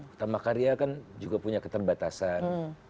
utama karya kan juga punya keterbatasan